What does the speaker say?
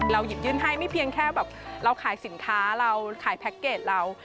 หยิบยื่นให้ไม่เพียงแค่แบบเราขายสินค้าเราขายแพ็คเกจเรา